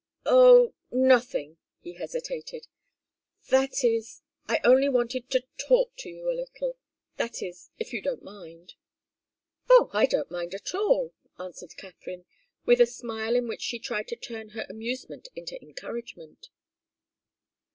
"Oh nothing " He hesitated. "That is I only wanted to talk to you a little that is, if you don't mind." "Oh, I don't mind at all!" answered Katharine, with a smile in which she tried to turn her amusement into encouragement.